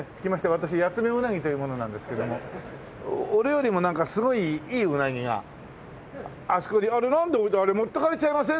私ヤツメウナギという者なんですけども俺よりもなんかすごいいいうなぎがあそこにあれなんで置いてあれ持ってかれちゃいません？